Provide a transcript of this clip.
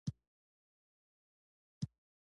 دښمن پیژندل د عقل کار دی.